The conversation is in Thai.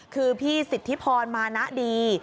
คือพี่สิทธิพรมานะดี